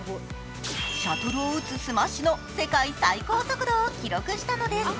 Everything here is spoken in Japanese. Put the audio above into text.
シャトルを打つスマッシュの世界最高速度を記録したのです。